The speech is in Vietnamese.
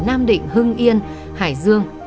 nam định hưng yên hải dương